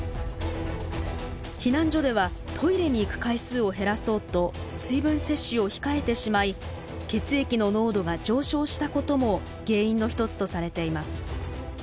避難所ではトイレに行く回数を減らそうと水分摂取を控えてしまい血液の濃度が上昇したことも原因の一つとされています。